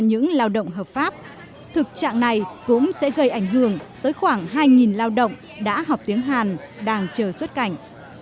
những lao động hợp pháp thực trạng này cũng sẽ gây ảnh hưởng tới khoảng hai lao động đã học tiếng hàn đang chờ xuất cảnh